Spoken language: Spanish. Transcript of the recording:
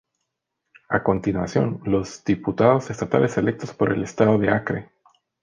A continuación los diputados estatales electos por el estado de Acre.